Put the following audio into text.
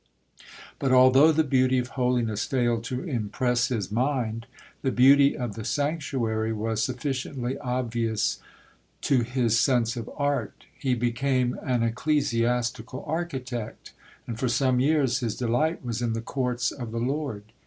But, although the beauty of holiness failed to impress his mind, the beauty of the sanctuary was sufficiently obvious to his sense of Art. He became an ecclesiastical architect, and for some years his delight was in the courts of the Lord.